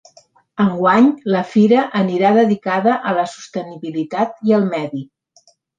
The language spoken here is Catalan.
Enguany, la fira anirà dedicada a la sostenibilitat i el medi.